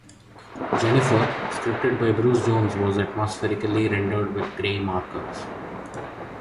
"Jenifer", scripted by Bruce Jones, was atmospherically rendered with gray markers.